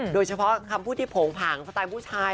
โดยเฉพาะคำพูดที่โผงผางสไตล์ผู้ชาย